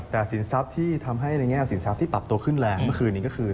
แต่สินทรัพย์ที่ทำให้ในแง่สินทรัพย์ที่ปรับตัวขึ้นแรงเมื่อคืนนี้ก็คือ